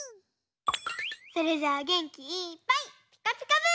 それじゃあげんきいっぱい「ピカピカブ！」。